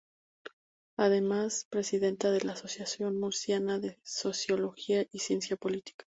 Es además Presidenta de la Asociación Murciana de Sociología y Ciencia Política.